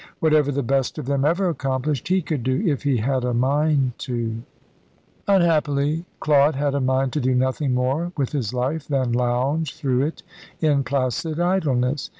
Whatever the best of them ever accomplished he could do, if he had a mind to." Unhappily, Claude had a mind to do nothing more with his life than lounge through it in placid idleness.